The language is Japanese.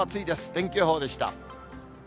天気予報でした。